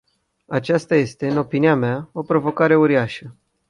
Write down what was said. Aceasta este, în opinia mea, o provocare uriașă.